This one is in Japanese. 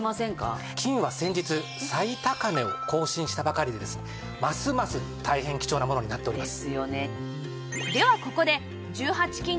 金は先日最高値を更新したばかりでですねますます大変貴重なものになっております。